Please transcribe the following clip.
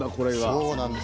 そうなんです。